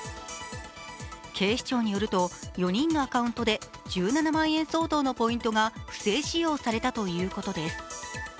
警視庁によると４人のアカウントで１７万円相当のポイントが不正使用されたということです。